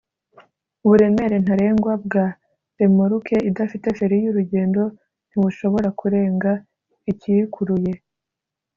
uburemere ntarengwa bwa remoruke idafite feri yurugendo ntibushobora kurenga ikiyikuruye